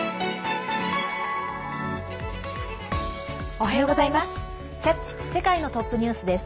おはようございます。